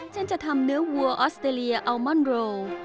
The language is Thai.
เช่นจะทำเนื้อวัวออสเตรเลียอัลมอนโร